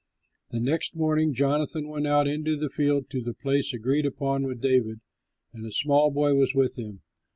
The next morning Jonathan went out into the field to the place agreed upon with David, and a small boy was with him.